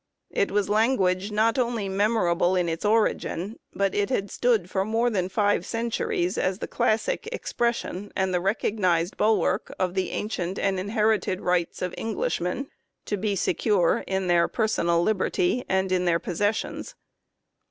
It was language not only memorable in its origin, but it had stood for more than five centuries as the classic expression and as the recognized bulwark of the 'ancient and inherited rights of Englishmen ' [Burke] to be secure in their personal liberty and in their possessions.